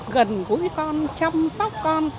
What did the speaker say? gần gũi con chăm sóc con